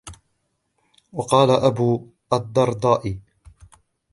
وَقَالَ أَبُو الدَّرْدَاءِ